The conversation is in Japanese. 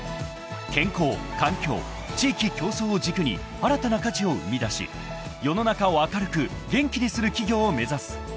［健康環境地域共創を軸に新たな価値を生み出し世の中を明るく元気にする企業を目指す］